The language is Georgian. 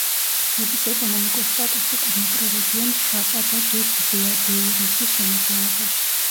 შედის ეკონომიკურ-სტატისტიკურ მიკრორეგიონ შაპადა-დუს-ვეადეირუსის შემადგენლობაში.